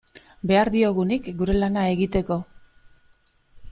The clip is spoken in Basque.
Behar diogunik gure lana egiteko.